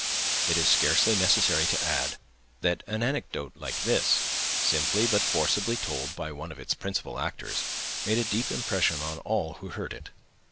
It is scarcely necessary to add, that an anecdote like this, simply but forcibly told by one of its principal actors, made a deep impression on all who heard it.